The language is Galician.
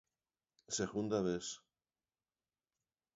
¡Segunda vez!